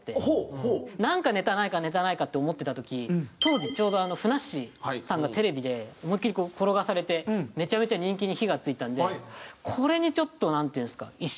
なんかネタないかネタないかって思ってた時当時ちょうどふなっしーさんがテレビで思いっきり転がされてめちゃめちゃ人気に火が付いたんでこれにちょっとなんていうんですか。